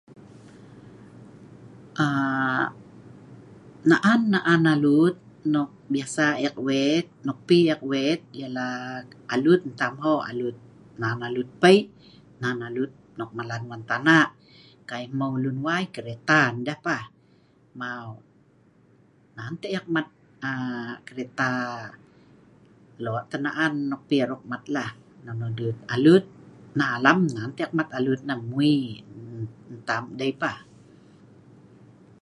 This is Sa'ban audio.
Aaa naan-naan alut nok bisa ek wet, nok pi ek wet ialah alut tam ho' alut, nan alut Pei', nan alut nok malan wan tanah, kai hmeu lun wai kereta deh pah. Mau nan tah ek mat aaa kereta lo tah naan nok pi oro' ek mat lah nonoh dut alut, nah alam nan tah mat alut nah mwi tam dei pah.